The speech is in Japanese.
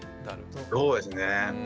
そうですね。